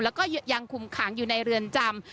แล้วก็ยังคุมขังอยู่ในเรือนจำ